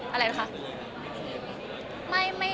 อะไรคะ